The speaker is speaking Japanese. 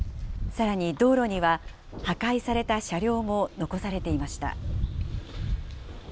さらに道路には、破壊された車両も残されていました。